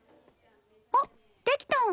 あっできたんん？